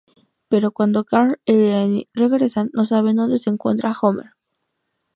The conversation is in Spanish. Pero, cuando Carl y Lenny regresan, no saben donde se encuentra Homer.